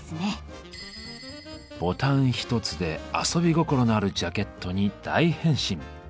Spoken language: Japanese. ボタン一つで遊び心のあるジャケットに大変身。